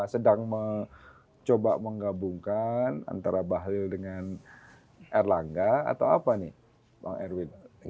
sedang mencoba menggabungkan antara bahlil dengan erlangga atau apa nih bang erwin